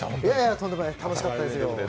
とんでもない楽しかったですよ。